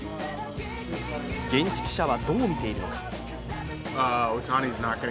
現地記者はどう見ているのか。